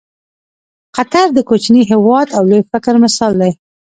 قطر د کوچني هېواد او لوی فکر مثال دی.